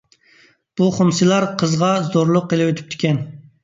بۇ خۇمسىلار قىزغا زورلۇق قىلىۋېتىپتىكەن.